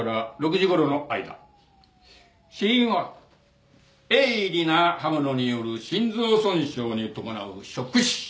死因は鋭利な刃物による心臓損傷に伴うショック死。